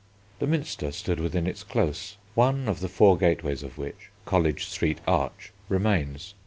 The Minster stood within its Close, one of the four gateways of which, College Street Arch, remains.